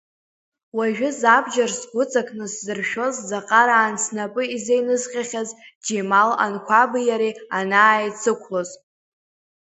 Уажәы забџьар сгәыҵакны сзыршәоз заҟараан снапы изеинысҟьахьаз, Џьемал Анқәаби иареи анааицықәлоз.